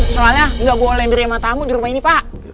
gak bolehin diri sama tamu di rumah ini pak